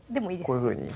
こういうふうに？